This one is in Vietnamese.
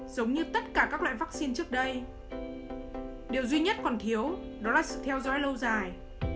giống như tất cả các loại vaccine trước đây điều duy nhất còn thiếu đó là sự theo dõi lâu dài